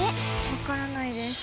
分からないです。